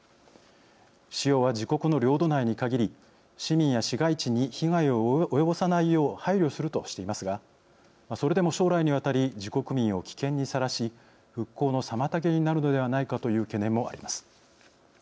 使用は自国の領土内にかぎり市民や市街地に被害を及ばさないよう配慮をするとしていますがそれでも将来にわたり自国民を危険にさらし復興の妨げになるのではないかという懸念もあります。